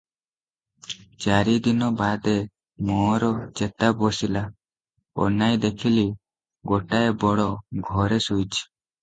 ଚାରିଦିନ ବାଦେ ମୋର ଚେତା ବସିଲା, ଅନାଇ ଦେଖିଲି ଗୋଟାଏ ବଡ଼ ଘରେ ଶୋଇଛି ।